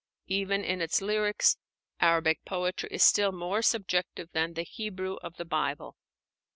Even in its lyrics, Arabic poetry is still more subjective than the Hebrew of the Bible.